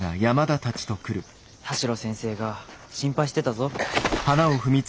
田代先生が心配してたぞ。